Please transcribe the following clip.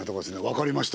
分かりました。